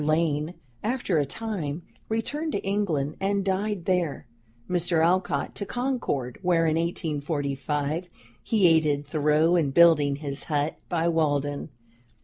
Lane, after a time, returned to England and died there; Mr. Alcott to Concord, where, in 1845, he aided Thoreau in building his hut by Walden.